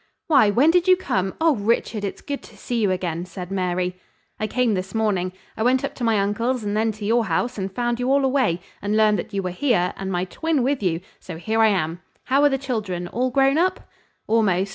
"Why, when did you come? Oh, Richard! It's good to see you again," said Mary. "I came this morning. I went up to my uncle's and then to your house and found you all away, and learned that you were here and my twin with you, so here I am. How are the children? All grown up?" "Almost.